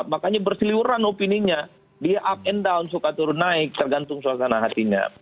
makanya bersiliuran opini nya dia up and down turun naik tergantung suasana hatinya